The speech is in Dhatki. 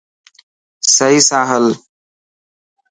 سهي سان هل.